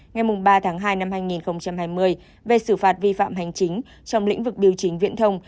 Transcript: ngày ba tháng hai năm hai nghìn hai mươi về xử phạt vi phạm hành chính trong lĩnh vực điều chỉnh viện thông